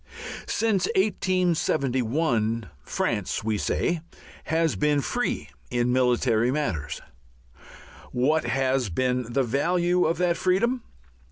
Since 1871 France, we say, has been free in military matters. What has been the value of that freedom?